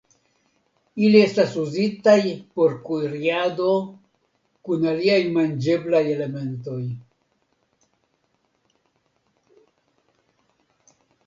Ili estas uzitaj por kuriado kun aliaj manĝeblaj elementoj.